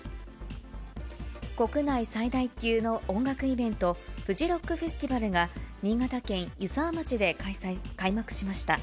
国内最大級の音楽イベント、フジロックフェスティバルが新潟県湯沢町で開幕しました。